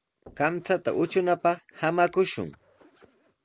Kamchata utrunapaq samakushun.